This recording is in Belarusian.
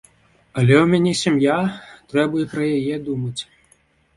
Але ў мяне сям'я, трэба і пра яе думаць.